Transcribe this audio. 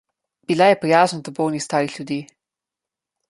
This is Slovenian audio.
Bila je prijazna do bolnih starih ljudi.